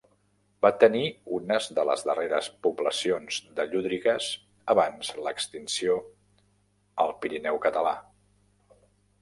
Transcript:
Va tenir unes de les darreres poblacions de llúdrigues abans l'extinció al Pirineu català.